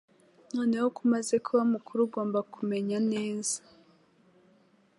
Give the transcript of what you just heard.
Noneho ko umaze kuba mukuru, ugomba kumenya neza.